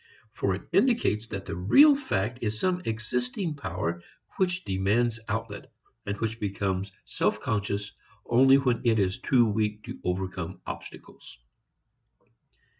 For it indicates that the real fact is some existing power which demands outlet, and which becomes self conscious only when it is too weak to overcome obstacles.